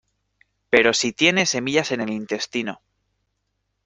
pero si tiene semillas en el intestino